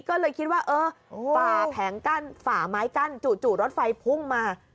ก็เลยคิดว่าเออฝ่าแผงกั้นฝ่าไม้กั้นจู่รถไฟพุ่งมา